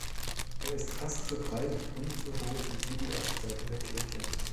Er ist fast so breit und so hoch wie die Ostseite der Kirche.